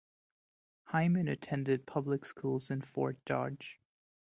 Hyman attended public schools in Fort Dodge.